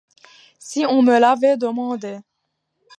Si on me l'avait demandé.